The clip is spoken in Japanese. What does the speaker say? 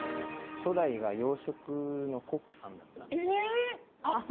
初代が洋食のコックさんだったんですえっ